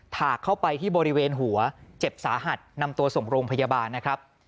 ถากเข้าไปที่บริเวณหัวเจ็บสาหัสนำตัวส่งโรงพยาบาลนะครับ